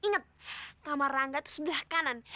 ingat kamar rangga itu sebelah kanan